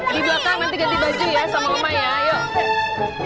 di belakang nanti ganti baju ya sama oma ya ayo